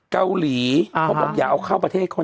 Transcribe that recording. เกาหลีเขาบอกอย่าเอาเข้าประเทศเขา